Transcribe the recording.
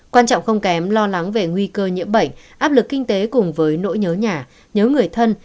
quan trọng không kém lo lắng về nguy cơ nhiễm bệnh áp lực kinh tế cùng với nỗi nhớ nhà nhớ người thân